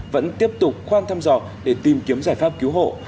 vẫn tiếp tục khoan thăm dò để tìm kiếm giải pháp cứu hộ